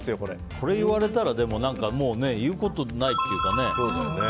これ言われたら言うことないっていうかね。